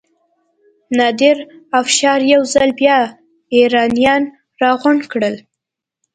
نادر افشار یو ځل بیا ایرانیان راغونډ کړل.